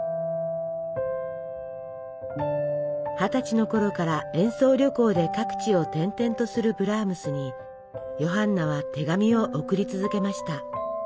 二十歳のころから演奏旅行で各地を転々とするブラームスにヨハンナは手紙を送り続けました。